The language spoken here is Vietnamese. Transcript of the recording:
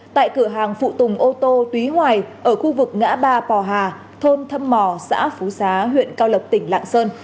tại cửa hàng phụ tùng ô tô túy hoài ở khu vực ngã ba pò hà thôn thâm mò xã phú xá huyện cao lộc tỉnh lạng sơn